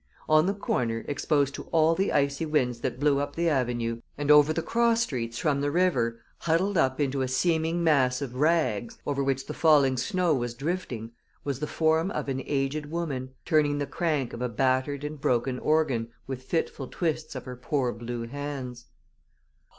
On the corner, exposed to all the icy winds that blew up the avenue, and over the cross streets from the river, huddled up into a seeming mass of rags, over which the falling snow was drifting, was the form of an aged woman, turning the crank of a battered and broken organ with fitful twists of her poor blue hands.